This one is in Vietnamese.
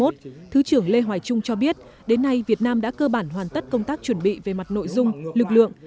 thứ trưởng lê hoài trung cho biết đến nay việt nam đã cơ bản hoàn tất công tác chuẩn bị về mặt nội dung lực lượng